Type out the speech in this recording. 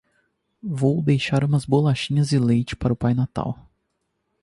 Vou deixar umas bolachinhas e leite para o Pai Natal.